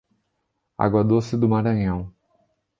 Água Doce do Maranhão